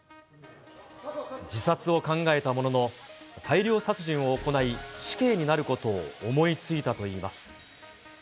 自殺を考えたものの、大量殺人を行い、死刑になることを思いついたといいます。